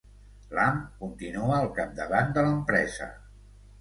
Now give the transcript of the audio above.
Lam continua al capdavant de l'empresa.